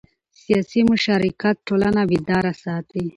سیاسي مشارکت ټولنه بیداره ساتي